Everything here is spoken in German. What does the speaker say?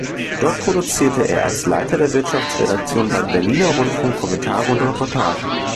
Dort produzierte er als Leiter der Wirtschaftsredaktion beim Berliner Rundfunk Kommentare und Reportagen.